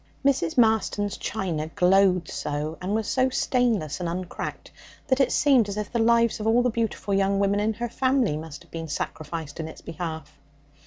Mrs. Marston's china glowed so, and was so stainless and uncracked that it seemed as if the lives of all the beautiful young women in her family must have been sacrificed in its behalf.